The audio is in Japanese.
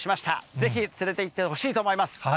ぜひ連れていってほしいと思います。